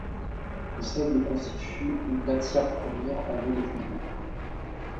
Le sable constitue une matière première en voie d'épuisement.